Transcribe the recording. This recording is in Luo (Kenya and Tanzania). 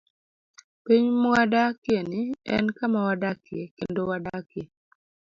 Piny mwadakieni en kama wadakie kendo wadakie.